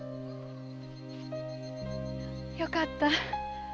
よかった！